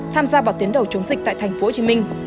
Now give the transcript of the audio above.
tham gia vào tuyến đầu chống dịch tại thành phố hồ chí minh